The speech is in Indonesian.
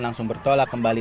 langsung bertolak kembali